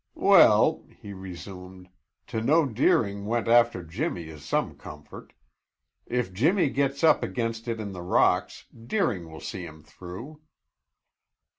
"Well," he resumed, "to know Deering went after Jimmy is some comfort. If Jimmy gets up against it in the rocks, Deering will see him through."